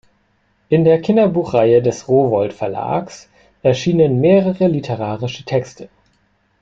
In der Kinderbuch-Reihe des Rowohlt-Verlags erschienen mehrere literarische Texte.